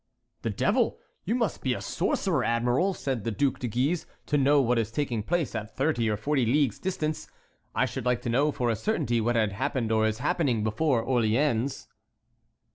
"The devil! You must be a sorcerer, admiral," said the Duc de Guise, "to know what is taking place at thirty or forty leagues' distance. I should like to know for a certainty what happened or is happening before Orléans."